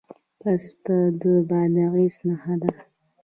پسته د بادغیس نښه ده.